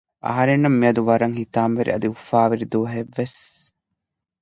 އަހަރެންނަށް މިއަދު ވަރަށް ހިތާމަވެރި އަދި އުފާވެރި ދުވަހެއް ވެސް